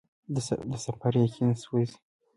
د سفر یقین یې سوزي